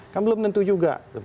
kan belum tentu juga